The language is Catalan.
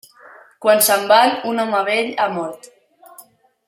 Quan se'n van, un home vell ha mort.